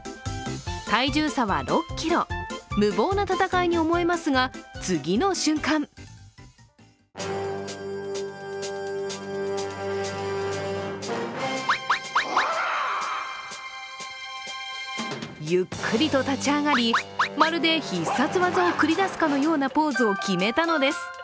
体重差は６ｋｇ、無謀な戦いに思えますが次の瞬間ゆっくりと立ち上がりまるで必殺技を繰り出すかのようなポーズを決めたのです。